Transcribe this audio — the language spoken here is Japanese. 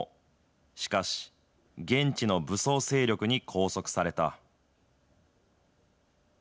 しかし、現地の武装勢力に拘束された。